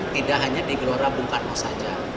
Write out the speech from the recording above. tidak hanya di gelora bung karno saja